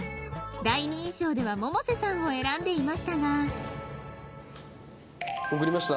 第二印象では百瀬さんを選んでいましたが送りました。